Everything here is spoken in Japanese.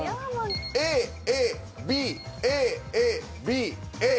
ＡＡＢＡＡＢＡ。